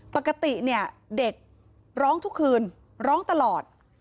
ปกติเนี่ยเด็กร้องทุกคืนร้องตลอด